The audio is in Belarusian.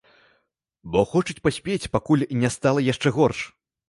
Бо хочуць паспець, пакуль не стала яшчэ горш.